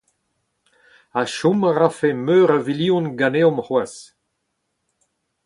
Ha chom a rafe meur a vilion ganeomp c'hoazh.